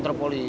ada apa be